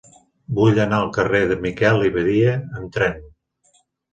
Vull anar al carrer de Miquel i Badia amb tren.